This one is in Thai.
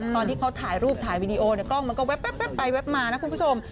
ตอนที่เขาถ่ายรูปถ่ายวีดีโอเนี่ยกล้องมันก็แว๊บไปแว๊บมานะคุณผู้ชม